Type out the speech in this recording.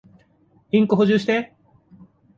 インク補充して。